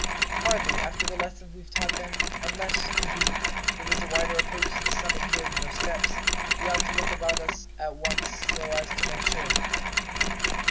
"Hardly, after the lesson we've taught them; unless, indeed, there is a wider approach to the summit here than those steps. We ought to look about us at once so as to make sure."